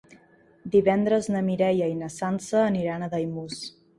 Divendres na Mireia i na Sança aniran a Daimús.